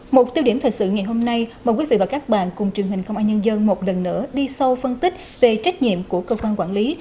một tiêu điểm thật sự ngày hôm nay mà quý vị và các bạn cùng truyền hình không ai nhân dân một lần nữa đi sâu phân tích về trách nhiệm của cơ quan quản lý